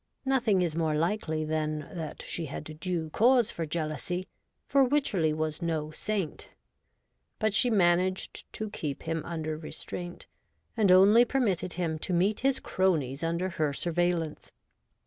Nothing is more likely than that she had due cause for jealousy, for Wycherley was no saint. But she managed to keep him under restraint, and only permitted him to meet his cronies under her surveillance.